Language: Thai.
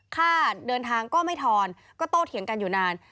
ค่าเดินทางก็ไม่ทอนก็โตเถียงกันอยู่นาน